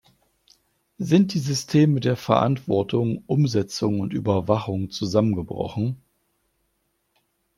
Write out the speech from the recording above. Sind die Systeme der Verantwortung, Umsetzung und Überwachung zusammengebrochen?